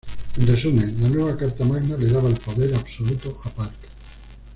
En resumen, la nueva carta magna le daba el poder absoluto a Park.